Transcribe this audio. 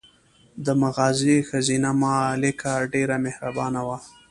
د مغازې ښځینه مالکه ډېره مهربانه وه.